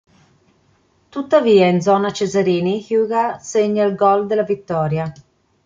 Tuttavia in zona Cesarini Hyuga segna il gol della vittoria.